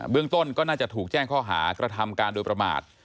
เรื่องต้นก็น่าจะถูกแจ้งข้อหากระทำการโดยประมาท